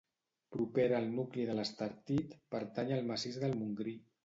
Propera al nucli de l'Estartit pertany al massís del Montgrí.